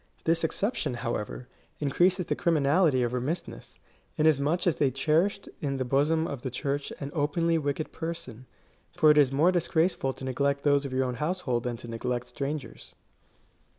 This exception, however, increases the criminality of remissness, inasmuch as they cherished in the bosom of the Church an openly wicked person ; for it is more disgraceful to neglect those of your own household than to neglect strangers.